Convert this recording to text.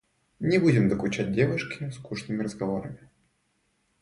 Не будем докучать девушке скучными разговорами.